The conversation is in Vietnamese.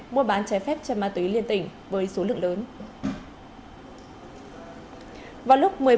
mua bán trái phép chất ma túy liên tỉnh với số lượng lớn